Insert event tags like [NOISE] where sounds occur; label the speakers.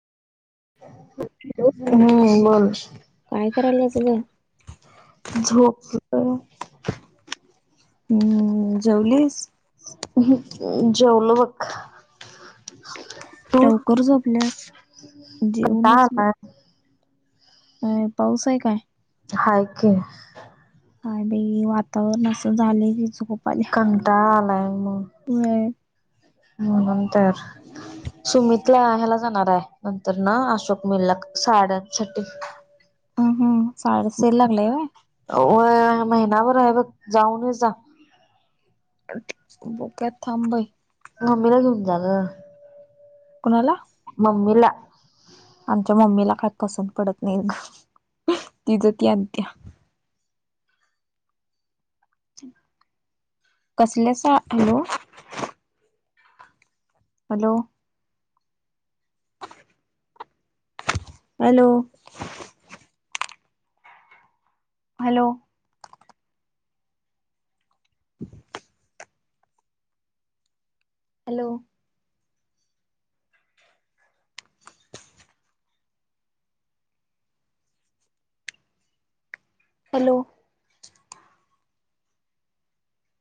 Speaker 1: हम्म ब [INAUDIBLE]
Speaker 2: काय करायला तुझ
Speaker 1: हो
Speaker 2: हम्म जेवलीस
Speaker 1: जेवलो बघ तू
Speaker 2: लवकर झोपल्यास
Speaker 1: कंटाळा
Speaker 2: जेवनच ब
Speaker 1: आलाय
Speaker 2: अ पाऊस आहे काय
Speaker 1: हाय क
Speaker 2: आणि वातावरण असं झालं की झकोपाल्या
Speaker 1: कंटाळा मणते सुमितला हहायला जाणार आहे नंतर ना अशोक मेल्ल साड्यांसाठी
Speaker 2: हम् हम साडे से लागला व
Speaker 1: अ... महिनाभर आहे बघ.... जाऊन येजा.
Speaker 2: बघूया थांब बाई.
Speaker 1: मम्मी घेऊन जा गं..
Speaker 2: कोणाला..
Speaker 1: मम्मी ला.
Speaker 2: आमच्या मम्मीला काय पसंत पडत नाही गं. तिज ती आणत्या. कसल्या सा. Hello... hello.. hello. Hello. [INAUDIBLE] Hello. Hello.